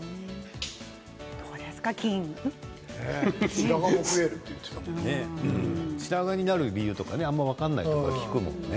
白髪も増えると白髪になる理由とかあまり分からないって聞くもんね。